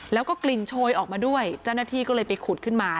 แล้วก็กลิ่นโชยออกมาด้วยเจ้าหน้าที่ก็เลยไปขุดขึ้นมา